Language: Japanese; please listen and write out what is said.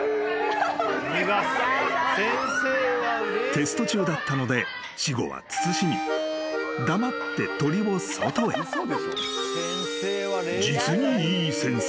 ［テスト中だったので私語は慎み黙って鳥を外へ］アニメみたいな先生。